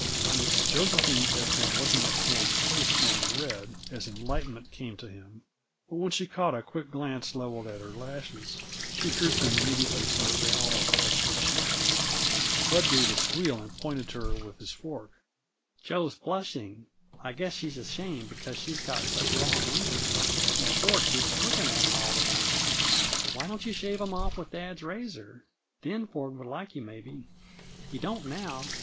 Miss Josephine had been looking at Ford's face going red, as enlightenment came to him, but when she caught a quick glance leveled at her lashes, she drooped them immediately so that they almost touched her cheeks. Bud gave a squeal and pointed to her with his fork. "Jo's blushing! I guess she's ashamed because she's got such long winkers, and Ford keeps looking at 'em all the time. Why don't you shave 'em off with dad's razor? Then Ford would like you, maybe. He don't now.